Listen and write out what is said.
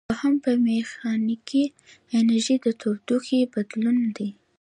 دوهم په میخانیکي انرژي د تودوخې بدلول دي.